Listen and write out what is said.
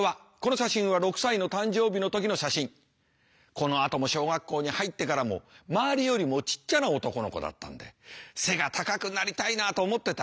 このあとも小学校に入ってからも周りよりもちっちゃな男の子だったんで背が高くなりたいなと思ってた。